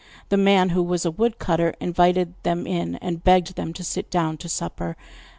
The man, who was a wood cutter, invited them him, and begged them to sit down to supper.